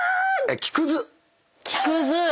木くず。